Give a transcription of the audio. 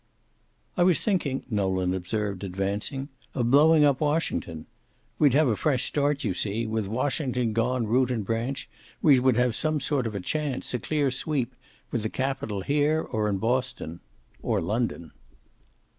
"I was thinking," Nolan observed, advancing, "of blowing up Washington. We'd have a fresh start, you see. With Washington gone root and branch we would have some sort of chance, a clear sweep, with the capital here or in Boston. Or London."